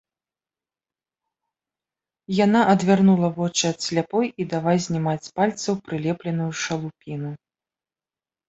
Яна адвярнула вочы ад сляпой і давай знімаць з пальцаў прылепленую шалупіну.